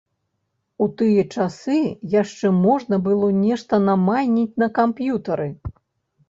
У тыя часы яшчэ можна было нешта намайніць на камп'ютары.